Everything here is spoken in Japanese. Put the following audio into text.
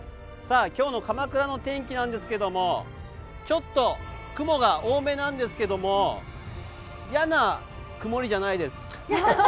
きょうの鎌倉の天気なんですけどちょっと雲が多めなんですけども嫌な曇りじゃないです。